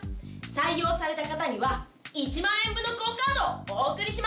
採用された方には１万円分のＱＵＯカードをお送りします。